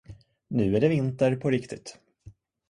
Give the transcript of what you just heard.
Nu är det vinter på riktigt.